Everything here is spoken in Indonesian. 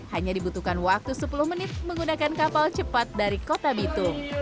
hanya dibutuhkan waktu sepuluh menit menggunakan kapal cepat dari kota bitung